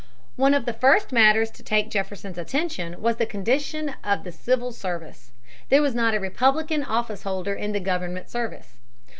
One of the first matters to take Jefferson's attention was the condition of the civil service. There was not a Republican office holder in the government service.